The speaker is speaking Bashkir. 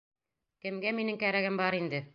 Кемгә минең кәрәгем бар инде.